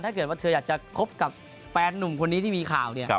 ถ้าเกิดว่าเธออยากจะคบกับแฟนนุ่มคนนี้ที่มีข่าวเนี่ย